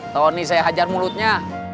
tony saya hajar mulutnya